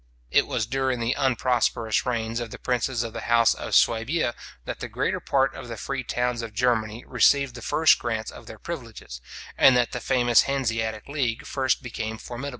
It was during the unprosperous reigns of the princes of the house of Suabia, that the greater part of the free towns of Germany received the first grants of their privileges, and that the famous Hanseatic league first became formidable.